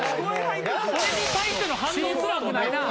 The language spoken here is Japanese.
それに対しての反応すらもないな。